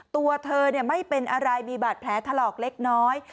ตัวเธอไม่เป็นอะไรมีบาดแผลถลอกเล็กน้อย